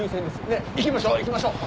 ねっ行きましょう行きましょう。